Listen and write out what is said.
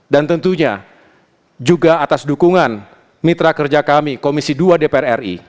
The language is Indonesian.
dan tentunya juga atas dukungan mitra kerja kami komisi ii dpr ri